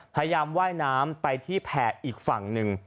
พยายามว่ายน้ำไปที่แผ่อีกฝั่งหนึ่ง